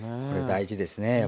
これ大事ですね